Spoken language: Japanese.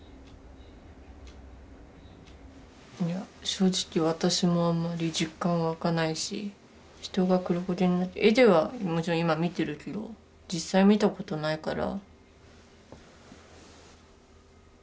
正直私もあんまり実感は湧かないし人が黒焦げになって絵ではもちろん今見てるけど実際見たことないから。